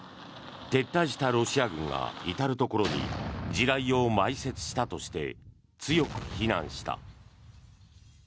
撤退したロシア軍が至るところに地雷を埋設したとして強く非難した。